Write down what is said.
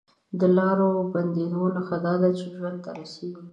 د لارو بندېدو نښه ده چې ژوند ته رسېږي